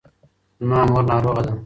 زما مور ناروغه ده.